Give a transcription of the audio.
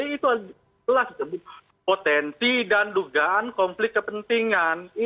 itu adalah potensi dan dugaan konflik kepentingan